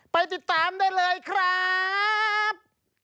ไปติดตามได้เลยครับ